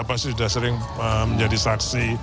pasti sudah sering menjadi saksi